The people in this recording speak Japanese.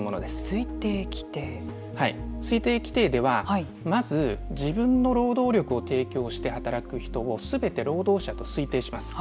推定規定。推定規定ではまず自分の労働力を提供して働く人を全て労働者と推定します。